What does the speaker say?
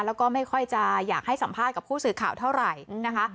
แล้วก็ไม่ค่อยจะอยากให้สัมภาษณ์กับผู้สื่อข่าวเท่าไหร่นะคะ